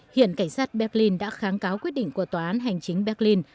hiện cảnh sát berlin đã kháng cáo quyết định của tòa án hành chính berlin